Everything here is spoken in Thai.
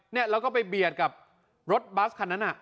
เนี่ยแล้วก็ไปเบียดกับรถบัสคันนั้นน่ะ